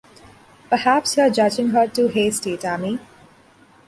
Perhaps you’re judging her too hasty, Tammy.